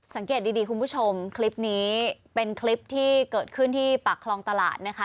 สังเกตดีคุณผู้ชมคลิปนี้เป็นคลิปที่เกิดขึ้นที่ปากคลองตลาดนะคะ